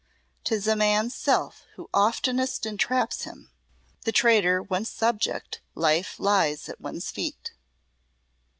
'Tis a man's self who oftenest entraps him. The traitor once subject, life lies at one's feet."